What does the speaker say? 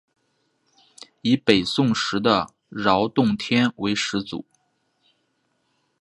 以北宋时的饶洞天为始祖。